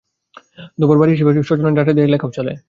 ধোবার বাড়ির হিসেব শজনের ডাঁটা দিয়ে লেখাও চলে।